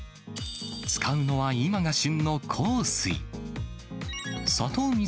使うのは今が旬の幸水。